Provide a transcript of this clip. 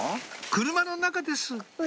車の中です